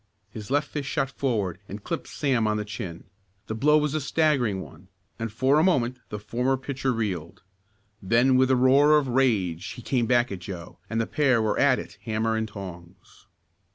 His left fist shot forward and clipped Sam on the chin. The blow was a staggering one and for a moment the former pitcher reeled. Then with a roar of rage he came back at Joe, and the pair were at it hammer and tongs.